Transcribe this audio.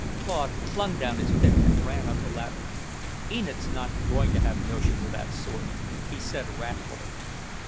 Claude flung down his pick and ran up the ladder. "Enid's not going to have notions of that sort," he said wrathfully.